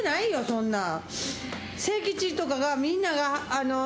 そんなん。